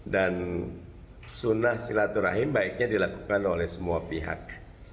dan sunnah silaturahim baiknya dilakukan oleh semua pihak